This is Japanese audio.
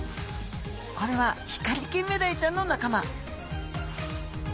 これはヒカリキンメダイちゃんの仲間。